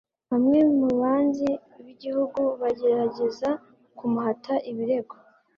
bamwe mu banzi b'igihugu bagerageza kumuhata ibirego